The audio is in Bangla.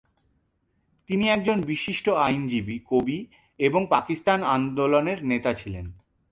তিনি একজন বিশিষ্ট আইনজীবী, কবি এবং পাকিস্তান আন্দোলনের নেতা ছিলেন।